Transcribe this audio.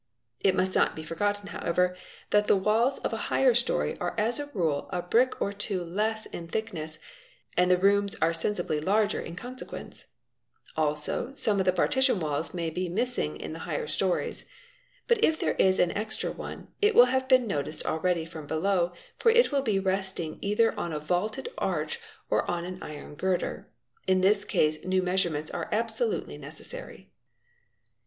It must not be forgotten however that the walls f a higher storey are as a rule a brick or two less in thickness and hat the rooms are sensibly larger in consequence. Also some of the ma pea ay Ve a ALLE Oe! 7 e x RAGS TLR ERE CS WHE DM, ZA Ritel SD ) partition walls may be missing in the higher stories. But if there is i 'am extra one, it will have been noticed already from. below, for it will be esting either on a vaulted arch or on an iron girder. In this case new measurements are absolutely necessary.